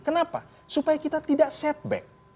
kenapa supaya kita tidak setback